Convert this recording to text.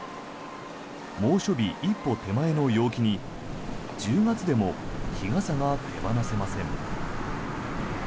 猛暑日一歩手前の陽気に１０月でも日傘が手放せません。